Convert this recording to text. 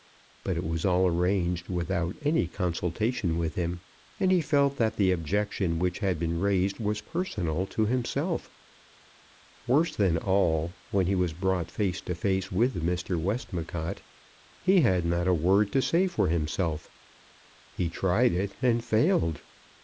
But it was all arranged without any consultation with him, and he felt that the objection which had been raised was personal to himself. Worse than all, when he was brought face to face with Mr. Westmacott he had not a word to say for himself! He tried it and failed. Mr.